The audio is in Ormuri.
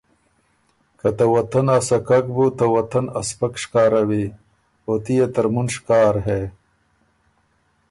که ”ته وطن ا سکک بُو ته وطن ا سپک شکاروی؟“ او تُو يې ترمُن شکار هې